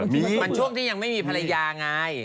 มันช่วงที่ยังไม่มีภรรยาไง